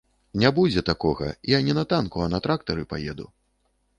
Не будзе такога, я не на танку, а на трактары паеду.